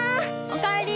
おかえり！